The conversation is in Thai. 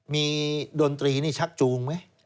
มีดนตรีนี่ชักจูงไหม